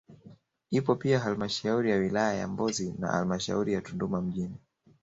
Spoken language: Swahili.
Ipo pia halmashauri ya wilaya ya Mbozi na halmashauri ya Tunduma mjini